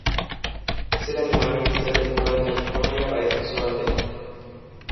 Es el animal oficial del estado de California y aparece en su bandera.